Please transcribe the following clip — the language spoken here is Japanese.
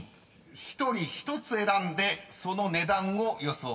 ［１人１つ選んでその値段を予想していただきます］